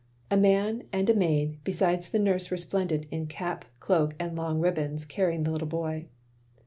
A man, and a maid; besides the nurse resplendent in cap, cloak, and long ribbons, canying the little boy.